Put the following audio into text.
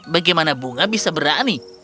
bagaimana bunga bisa berani